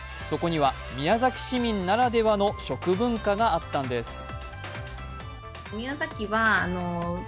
そこには、宮崎市民ならではの食文化があったんです。